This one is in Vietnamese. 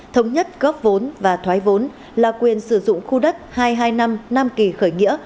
thống nhất góp vốn và thoái vốn là quyền sử dụng khu đất hai trăm hai mươi năm nam kỳ khởi nghĩa